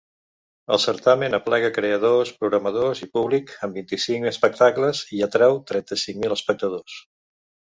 El certamen aplega creadors, programadors i públic en vint-i-cinc espectacles i atrau trenta-cinc mil espectadors.